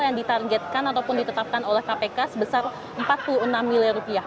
yang ditargetkan ataupun ditetapkan oleh kpk sebesar empat puluh enam miliar rupiah